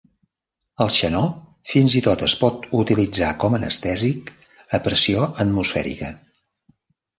El xenó fins i tot es pot utilitzar com a anestèsic a pressió atmosfèrica.